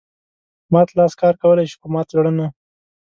مات لاس کار کولای شي خو مات زړه نه.